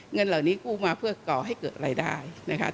เงินเหล่านี้กู้มาเพื่อก่อให้เกิดอะไรได้